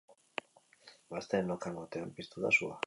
Gazteen lokal batean piztu da sua.